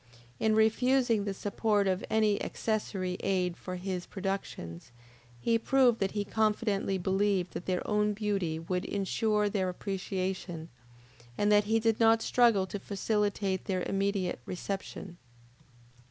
In refusing the support of any accessory aid for his productions, he proved that he confidently believed that their own beauty would ensure their appreciation, and that he did not struggle to facilitate their immediate reception.